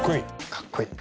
かっこいい。